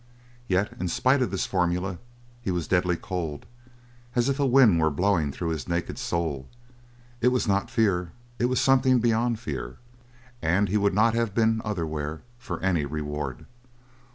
Yet in spite of this formula he was deadly cold, as if a wind were blowing through his naked soul. It was not fear. It was something beyond fear, and he would not have been otherwhere for any reward.